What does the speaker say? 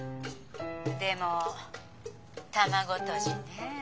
でも卵とじねえ。